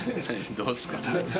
どうっすか？